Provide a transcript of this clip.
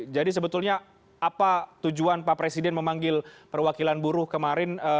jadi sebetulnya apa tujuan pak presiden memanggil perwakilan buruh kemarin